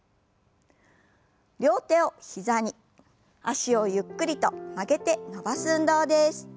両手を膝に脚をゆっくりと曲げて伸ばす運動です。